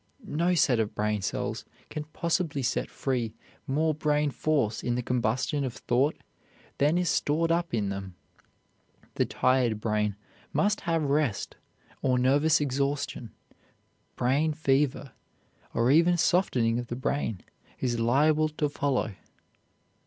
No set of brain cells can possibly set free more brain force in the combustion of thought than is stored up in them. The tired brain must have rest, or nervous exhaustion, brain fever, or even softening of the brain is liable to follow.